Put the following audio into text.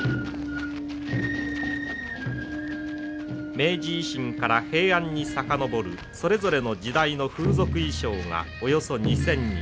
明治維新から平安に遡るそれぞれの時代の風俗衣装がおよそ２，０００人。